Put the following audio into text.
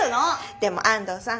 でも安藤さん